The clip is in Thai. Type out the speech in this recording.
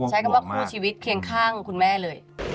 ใช้คำว่าคู่ชีวิตเคียงข้างคุณแม่เลย